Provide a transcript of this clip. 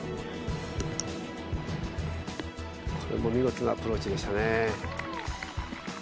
これも見事なアプローチでしたね。